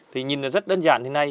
thì nhìn nó rất đơn giản thế này